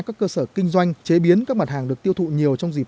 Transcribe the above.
các cơ sở kinh doanh chế biến các mặt hàng được tiêu thụ nhiều trong dịp